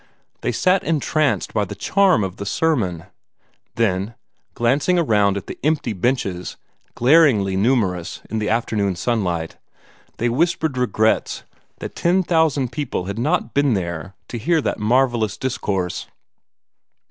They sat entranced by the charm of the sermon; then, glancing around at the empty benches, glaringly numerous in the afternoon sunlight, they whispered regrets that ten thousand people had not been there to hear that marvellous discourse.